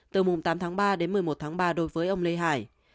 từ mùng tám tháng ba đến một mươi một tháng ba đối với ông lê hải